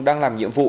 đang làm nhiệm vụ